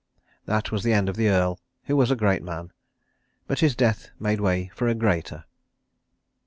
That was the end of the Earl, who was a great man. But his death made way for a greater.